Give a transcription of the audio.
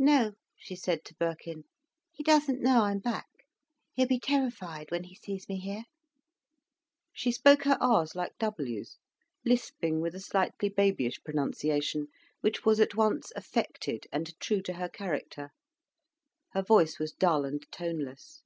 "No," she said to Birkin. "He doesn't know I'm back. He'll be terrified when he sees me here." She spoke her r's like w's, lisping with a slightly babyish pronunciation which was at once affected and true to her character. Her voice was dull and toneless.